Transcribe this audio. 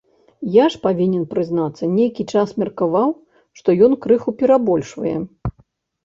Я ж, павінен прызнацца, нейкі час меркаваў, што ён крыху перабольшвае.